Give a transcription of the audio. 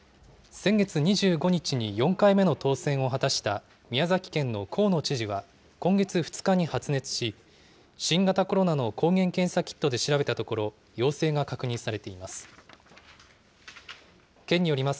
先月２５日に４回目の当選を果たした宮崎県の河野知事は、今月２日に発熱し、新型コロナの抗原検査キットで調べたところ陽性が確認されています。